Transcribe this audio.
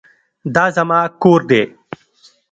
دا زما کور دی.